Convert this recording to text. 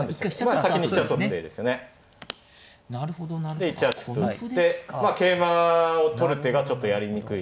で１八歩と打って桂馬を取る手がちょっとやりにくい。